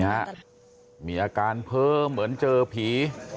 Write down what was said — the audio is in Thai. มีอาการเพิ่มเหมือนเจอผี